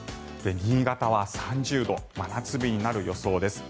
新潟は３０度真夏日になる予想です。